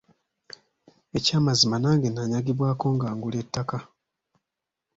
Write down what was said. Ekyamazima nange nanyagibwako nga ngula ettaka.